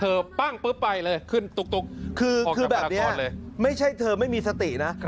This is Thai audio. ปั้งปุ๊บไปเลยขึ้นตุ๊กคือแบบนี้ไม่ใช่เธอไม่มีสตินะ